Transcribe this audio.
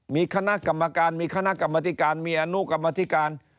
มีคณะกรรมการมีคณะกรรมธิการมีอนุกรรมธิการ